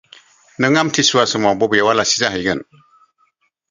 नों आमथि सुवा समाव बबेयाव आलासि जाहैगोन?